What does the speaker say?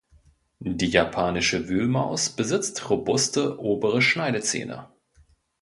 Die Japanische Wühlmaus besitzt robuste obere Schneidezähne.